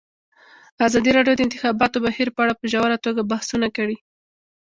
ازادي راډیو د د انتخاباتو بهیر په اړه په ژوره توګه بحثونه کړي.